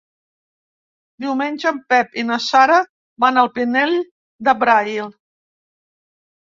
Diumenge en Pep i na Sara van al Pinell de Brai.